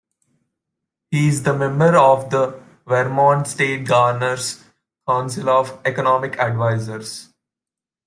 He is a member of the Vermont State Governor's Council of Economic Advisors.